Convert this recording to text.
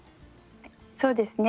そうですね。